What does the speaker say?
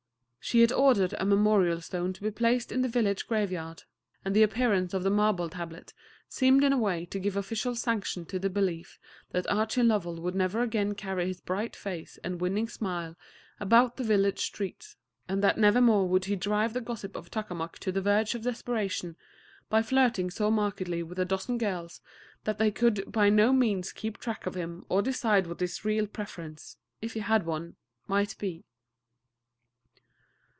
She had ordered a memorial stone to be placed in the village graveyard, and the appearance of the marble tablet seemed in a way to give official sanction to the belief that Archie Lovell would never again carry his bright face and winning smile about the village streets, and that nevermore would he drive the gossips of Tuskamuck to the verge of desperation by flirting so markedly with a dozen girls that they could by no means keep track of him or decide what his real preference if he had one might be.